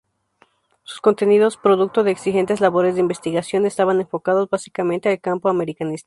Sus contenidos, producto de exigentes labores de investigación, estaban enfocados básicamente al campo americanista.